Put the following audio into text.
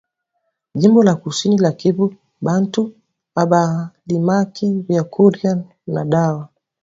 Jimbo la kusini ya kivu bantu abalimaki bya kurya na dawa